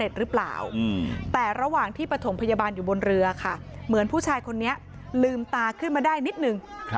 เหมือนผู้ชายคนนี้ลืมตาขึ้นมาได้นิดนึง